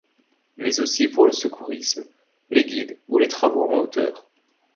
Mais aussi pour le secourisme, les guides ou les travaux en hauteur.